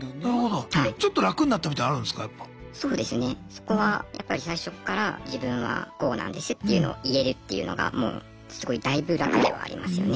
そこはやっぱり最初っから自分はこうなんですっていうのを言えるっていうのがもうすごい大分楽ではありますよね。